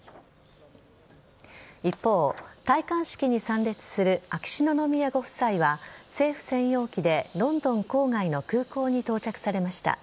一方、戴冠式に参列する秋篠宮ご夫妻は政府専用機でロンドン郊外の空港に到着されました。